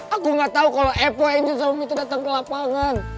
aku gak tau kalo epo angel samu mitu dateng ke lapangan